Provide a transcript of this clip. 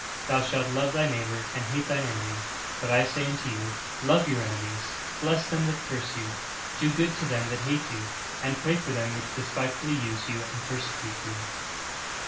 Thou shalt love thy neighbor and hate thine enemy. But I say unto you, Love your enemies, bless them that curse you, do good to them that hate you, and pray for them which despitefully use you and persecute you."'